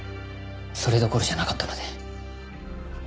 それどころじゃなかったので。